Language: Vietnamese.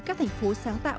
các thành phố sáng tạo